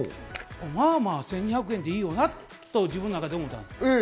まあまあ１２００円っていいよなと自分の中で思った。